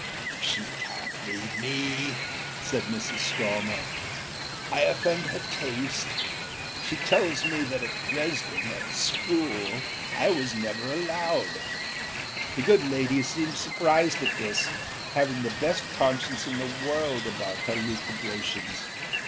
âShe canât read me,â said Mrs. Stormer; âI offend her taste. She tells me that at Dresdenâat schoolâI was never allowed.â The good lady seemed surprised at this, having the best conscience in the world about her lucubrations.